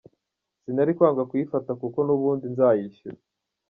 Sinari kwanga kuyifata kuko n’ubundi nzayishyura.